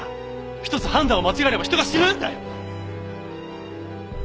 １つ判断を間違えれば人が死ぬんだよ！